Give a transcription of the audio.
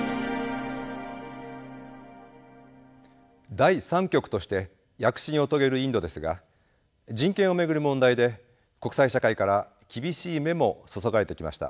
第３極として躍進を遂げるインドですが人権を巡る問題で国際社会から厳しい目も注がれてきました。